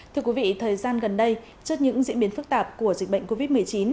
thưa quý vị thời gian gần đây trước những diễn biến phức tạp của dịch bệnh covid một mươi chín